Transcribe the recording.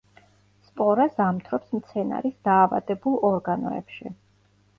სპორა ზამთრობს მცენარის დაავადებულ ორგანოებში.